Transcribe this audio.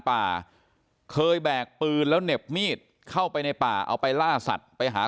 ป่าเคยแบกปืนแล้วเหน็บมีดเข้าไปในป่าเอาไปล่าสัตว์ไปหา